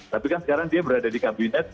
tapi kan sekarang dia berada di kabinet